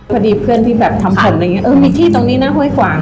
เพื่อนที่แบบทำผลอะไรอย่างเงี้เออมีที่ตรงนี้นะห้วยขวาง